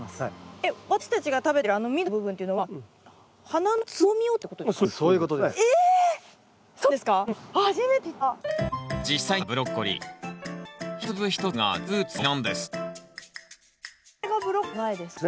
えっ私たちが食べてるあの緑の部分っていうのは花の蕾を食べてるってことですか？